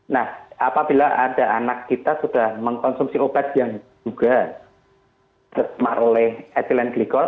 nah apabila ada anak kita sudah mengkonsumsi obat yang juga tersemar oleh ethylene glycol